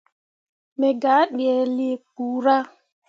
Me gah ɗǝǝne lii kpura.